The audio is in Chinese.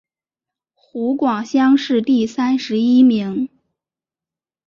湖广乡试第三十一名。